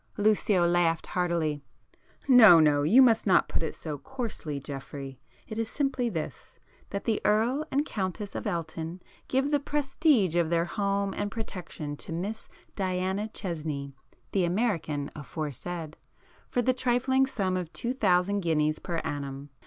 Lucio laughed heartily. "No, no!—you must not put it so coarsely, Geoffrey. It is simply this, that the Earl and Countess of Elton give the prestige of their home and protection to Miss Diana Chesney (the American aforesaid) for the trifling sum of two thousand guineas per annum.